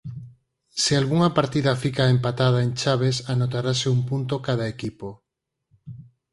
Se algunha partida fica empatada en chaves anotarase un punto cada equipo.